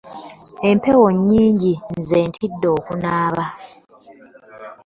Empewo nyinji nze ntidde okunaaba .